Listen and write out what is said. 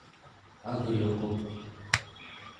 agluquk